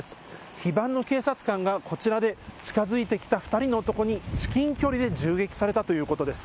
非番の警察官がこちらで近づいてきた２人の男に至近距離で銃撃されたということです。